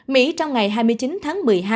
mỹ trong ngày hai mươi chín tháng một mươi hai